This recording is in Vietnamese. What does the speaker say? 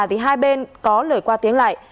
thì hai bên có lời qua tiếng lại